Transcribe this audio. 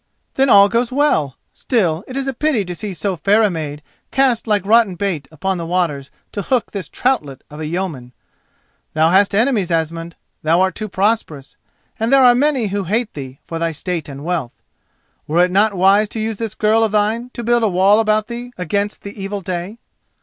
"Then all goes well. Still, it is a pity to see so fair a maid cast like rotten bait upon the waters to hook this troutlet of a yeoman. Thou hast enemies, Asmund; thou art too prosperous, and there are many who hate thee for thy state and wealth. Were it not wise to use this girl of thine to build a wall about thee against the evil day?"